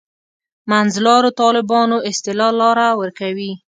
منځلارو طالبانو اصطلاح لاره ورکوي.